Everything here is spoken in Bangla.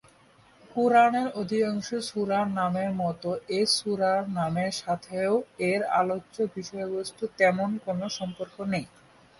কুরআনের অধিকাংশ সূরার নামের মতো এ সূরার নামের সাথেও এর আলোচ্য বিষয়বস্তুর তেমন কোন সম্পর্ক নেই।